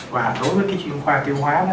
và đối với cái chuyên khoa tiêu hóa đó